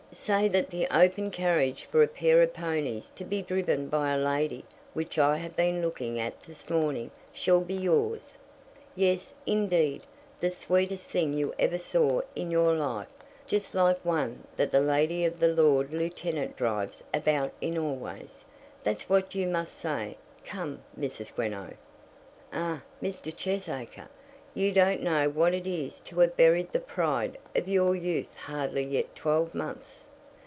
Say that the open carriage for a pair of ponies to be driven by a lady which I have been looking at this morning shall be yours. Yes, indeed; the sweetest thing you ever saw in your life, just like one that the lady of the Lord Lieutenant drives about in always. That's what you must say. Come, Mrs. Greenow!" "Ah, Mr. Cheesacre, you don't know what it is to have buried the pride of your youth hardly yet twelve months."